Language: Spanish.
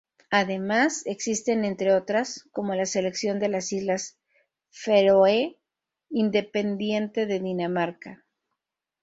Además, existen entre otras, como la selección de las Islas Feroe, independiente de Dinamarca.